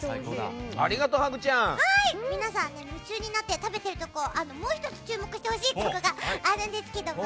皆さん夢中になって食べてるところもう１つ、注目してほしいことがあるんですけども。